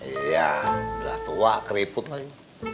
iya udah tua keriput lagi